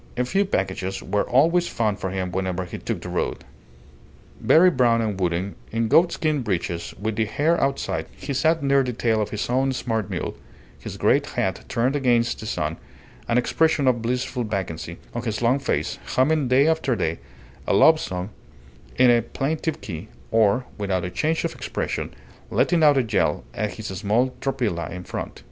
A few packages were always found for him whenever he took the road. Very brown and wooden, in goatskin breeches with the hair outside, he sat near the tail of his own smart mule, his great hat turned against the sun, an expression of blissful vacancy on his long face, humming day after day a love song in a plaintive key, or, without a change of expression, letting out a yell at his small tropilla in front.